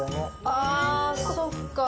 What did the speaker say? あそっか。